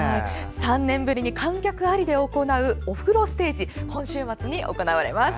３年ぶりに観客ありで行うお風呂ステージ今週末に行われます。